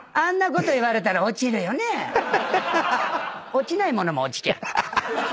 落ちないものも落ちちゃう。